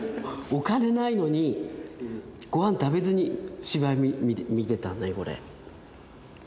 お金ないのにご飯食べずに芝居見てたんだよこれ。